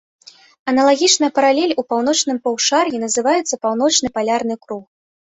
Аналагічная паралель у паўночным паўшар'і называецца паўночны палярны круг.